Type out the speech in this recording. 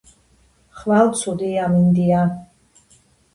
ხვალ ცუდი ამინდია